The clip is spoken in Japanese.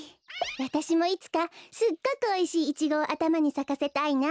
わたしもいつかすっごくおいしいイチゴをあたまにさかせたいな。